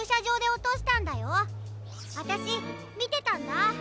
あたしみてたんだ。